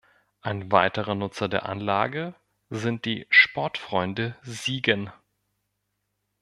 Ein weiterer Nutzer der Anlage sind die Sportfreunde Siegen.